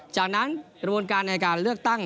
จากนั้นกระบวนการในการเลือกตั้ง